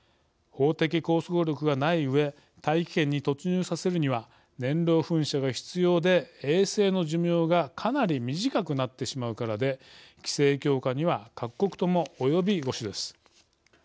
法的拘束力がないうえ大気圏に突入させるには燃料噴射が必要で衛星の寿命がかなり短くなってしまうからで規制強化には各国とも及び腰です。